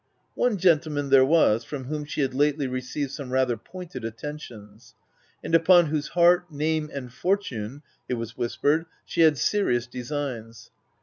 One gentleman there was, from whom she had lately received some rather pointed attentions, and upon whose heart, name, and fortune, it was whispered, she had serious designs.